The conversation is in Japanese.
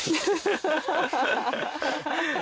ハハハハ！